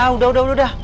udah udah udah